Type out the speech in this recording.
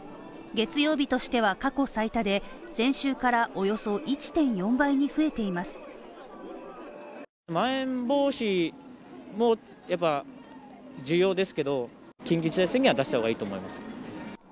月曜日としては過去最多で、先週からおよそ１．４倍に増えています。